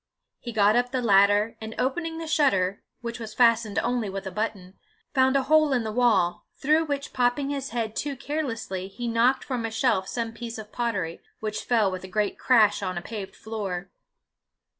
He got up the ladder, and opening the shutter, which was fastened only with a button, found a hole in the wall, through which popping his head too carelessly, he knocked from a shelf some piece of pottery, which fell with a great crash on a paved floor.